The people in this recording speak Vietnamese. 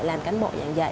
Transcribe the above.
làm cánh bộ giảng dạy